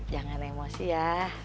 jangan emosi ya